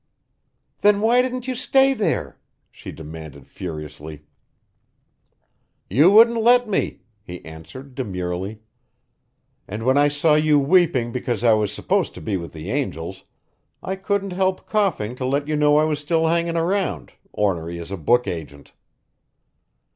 "Then why didn't you stay there?" she demanded furiously. "You wouldn't let me," he answered demurely. "And when I saw you weeping because I was supposed to be with the angels, I couldn't help coughing to let you know I was still hanging around, ornery as a book agent."